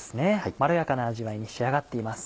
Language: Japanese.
まろやかな味わいに仕上がっています。